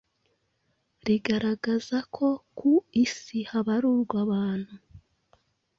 rigaragaza ko ku Isi habarurwa abantu